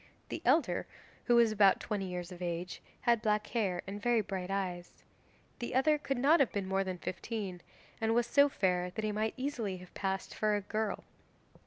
The elder, who was about twenty years of age, had black hair and very bright eyes. The other could not have been more than fifteen, and was so fair that he might easily have passed for a girl.